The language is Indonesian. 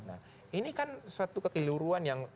nah ini kan suatu kekeliruan yang